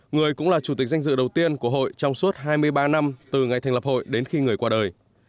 người cũng là chủ tịch danh dự đầu tiên của hội trong suốt hai mươi ba năm từ ngày thành lập hội đến khi người qua đời